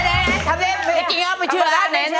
ไหนทำได้ไม่จริงอ่ะไม่เชื่ออ่ะ